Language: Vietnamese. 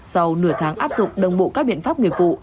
sau nửa tháng áp dụng đồng bộ các biện pháp nghiệp vụ